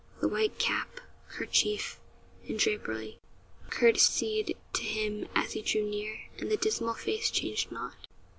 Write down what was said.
The white cap, kerchief, and drapery, courtesied to him as he drew near, and the dismal face changed not.